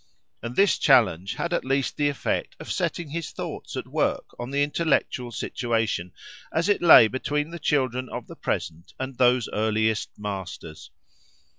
And this challenge had at least the effect of setting his thoughts at work on the intellectual situation as it lay between the children of the present and those earliest masters.